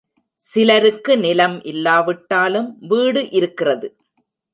சிலருக்கு நிலம் இல்லாவிட்டாலும் வீடு இருக்கிறது.